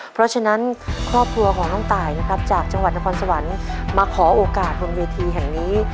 เพราะฉะนั้นครอบครัวของน้องตายนะครับจากจังหวัดนครสวรรค์มาขอโอกาสบนเวทีแห่งนี้